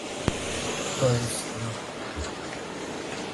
То је истина?